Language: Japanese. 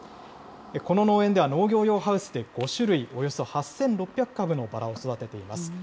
この農園では農業用ハウスで５種類、およそ８６００株のバラを育てています。